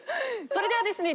それではですね